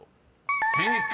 ［正解］